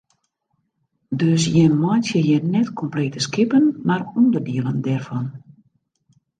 Dus jim meitsje hjir net komplete skippen mar ûnderdielen dêrfan?